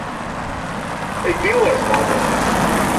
Ej dillēs, Valter!